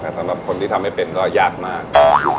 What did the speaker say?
สำหรับคนที่ทำไม่เป็นก็ยากมาก